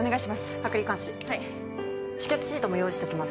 剥離鉗子止血シートも用意しときます